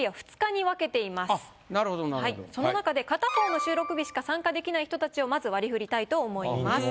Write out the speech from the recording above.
その中で片方の収録日しか参加できない人たちをまず割り振りたいと思います。